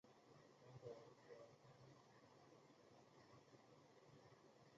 极度瞧不起他